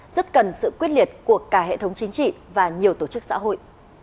rất cần sự quyết liệt của cả hệ thống chính trị và nhiều tổ chức xã hội